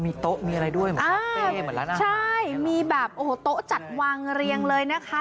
มีโต๊ะมีอะไรด้วยใช่มีแบบโต๊ะจัดวางเรียงเลยนะคะ